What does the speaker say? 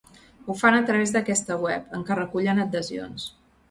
Ho han fet a través d’aquesta web, en què recullen adhesions.